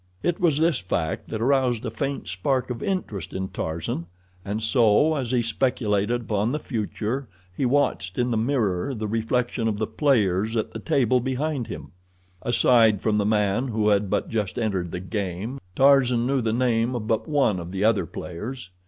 It was this fact that aroused a faint spark of interest in Tarzan, and so as he speculated upon the future he watched in the mirror the reflection of the players at the table behind him. Aside from the man who had but just entered the game Tarzan knew the name of but one of the other players.